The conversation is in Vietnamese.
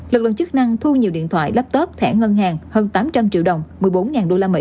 lực lượng chức năng thu nhiều điện thoại laptop thẻ ngân hàng hơn tám trăm linh triệu đồng một mươi bốn usd